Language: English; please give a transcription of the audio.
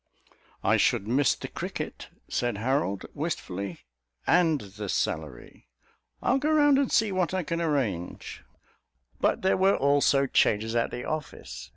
"I should miss the cricket," said Harold wistfully, "and the salary. I'll go round see what I can arrange." But there were also changes at the office.